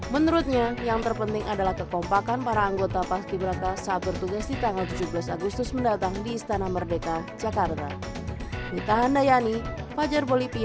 menurutnya yang terpenting adalah kekompakan para anggota paski beraka saat bertugas di tanggal tujuh belas agustus mendatang di istana merdeka jakarta